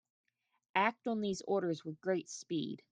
Act on these orders with great speed.